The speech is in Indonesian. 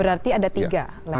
berarti ada tiga lempeng